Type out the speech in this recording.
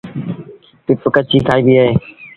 پپ ڪچيٚ کآئيٚبيٚ اهي۔